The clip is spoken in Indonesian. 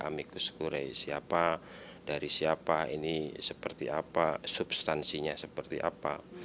amikus kure siapa dari siapa ini seperti apa substansinya seperti apa